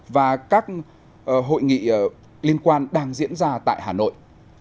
và các hội nghị liên quan đang diễn ra tại hà nội